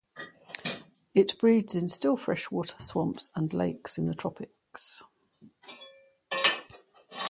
It breeds in still freshwater swamps and lakes in the tropics.